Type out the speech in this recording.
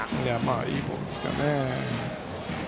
いいボールですけどね。